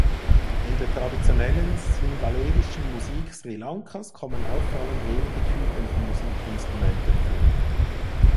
In der traditionellen singhalesischen Musik Sri Lankas kommen auffallend wenige Typen von Musikinstrumenten vor.